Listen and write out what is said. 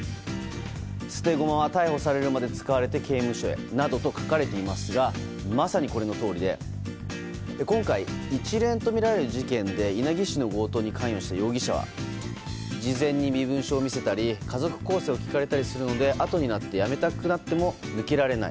捨て駒は逮捕されるまで使われて刑務所へなどと書かれていますがまさにこれのとおりで今回、一連とみられる事件で稲城市の強盗に関与した容疑者は事前に身分証を見せたり家族構成を聞かれたりするのであとになってやめたくなっても抜けられない。